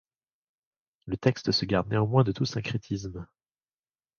Le texte se garde néanmoins de tout syncrétisme.